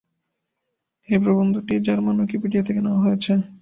এই প্রবন্ধটি German Wikipedia থেকে নেওয়া হয়েছে।